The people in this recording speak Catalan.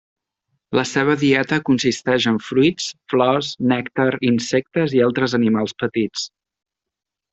La seva dieta consisteix en fruits, flors, nèctar, insectes i altres animals petits.